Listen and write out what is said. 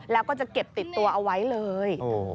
แล้วก็จะเก็บติดตัวเอาไว้เลย